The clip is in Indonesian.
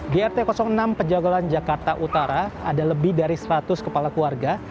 di rt enam pejagalan jakarta utara ada lebih dari seratus kepala keluarga